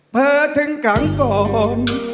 เปิดถึงกลางกลม